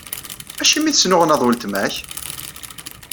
Acimi i tesnuɣnaḍ weltma-k?